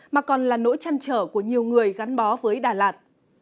mà còn là nỗi chăn trở của nhiều người gắn bó với đà lạt